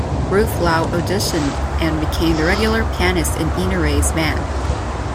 Ruth Lowe auditioned, and became the regular pianist in Ina Ray's band.